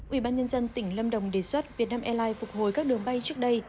ủy ban nhân dân tỉnh lâm đồng đề xuất vietnam airlines phục hồi các đường bay trước đây